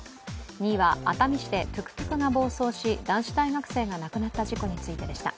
２位は熱海市でトゥクトゥクが暴走し男子大学生が亡くなった事故についてでした。